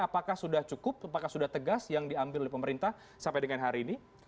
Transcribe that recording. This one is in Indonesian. apakah sudah cukup apakah sudah tegas yang diambil oleh pemerintah sampai dengan hari ini